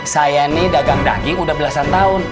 saya ini dagang daging udah belasan tahun